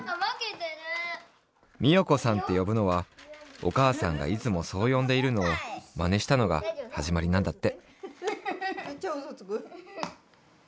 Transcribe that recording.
美代子さんってよぶのはお母さんがいつもそうよんでいるのをまねしたのがはじまりなんだって。